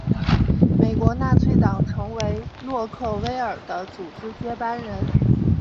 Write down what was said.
美国纳粹党成为洛克威尔的组织接班人。